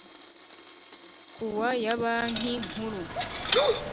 Kuwa ya banki nkuru